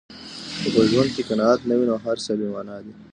که په ژوند کې قناعت نه وي، نو هر څه بې مانا دي.